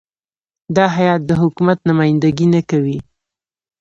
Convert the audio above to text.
دا هیات د حکومت نمایندګي نه کوي.